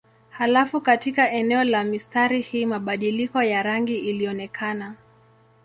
Halafu katika eneo la mistari hii mabadiliko ya rangi ilionekana.